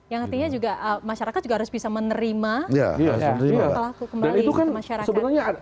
yang artinya juga masyarakat juga harus bisa menerima pelaku kembali ke masyarakat